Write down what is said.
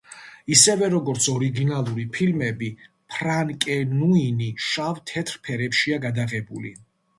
ისევე, როგორც ორიგინალური ფილმები, „ფრანკენუინი“ შავ-თეთრ ფერებშია გადაღებული.